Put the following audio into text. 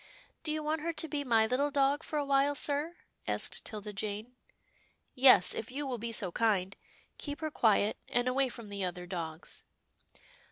" Do you want her to be my little dog for a while, sir? " asked 'Tilda Jane. " Yes, if you will be so kind. Keep her quiet, and away from the other dogs."